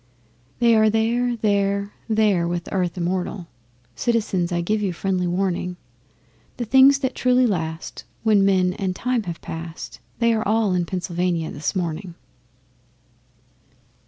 They are there, there, there with Earth immortal (Citizens, I give you friendly warning). The things that truly last when men and times have passed, They are all in Pennsylvania this morning!